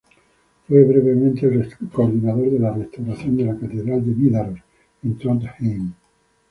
Fue brevemente el coordinador de la restauración de la Catedral de Nidaros, en Trondheim.